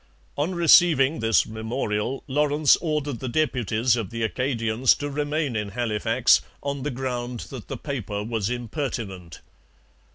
On receiving this memorial Lawrence ordered the deputies of the Acadians to remain in Halifax, on the ground that the paper was impertinent.